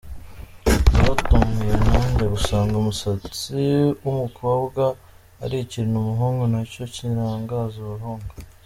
Naratunguwe nanjye gusanga umusatsi w’umukobwa ari ikintu umuhungu nacyo kirangaza umuhungu.